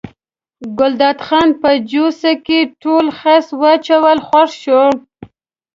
ګلداد خان په جوسه کې ټول خس واچول خوښ شو.